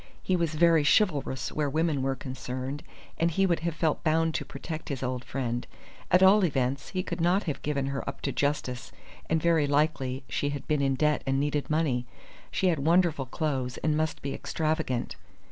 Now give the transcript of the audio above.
He was very chivalrous where women were concerned, and he would have felt bound to protect his old friend. At all events, he could not have given her up to justice, and very likely she had been in debt and needed money. She had wonderful clothes, and must be extravagant.